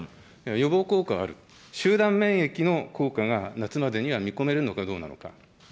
予防効果はある、集団免疫の効果が夏までには見込めるのかどうなのか。